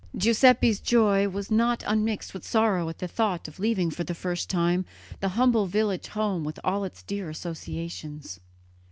Giuseppe's joy was not unmixed with sorrow at the thought of leaving for the first time the humble village home with all its dear associations.